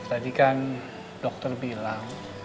tadi kan dokter bilang